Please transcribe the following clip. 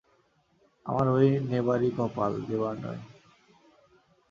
আমার ঐ নেবারই কপাল, দেবার নয়।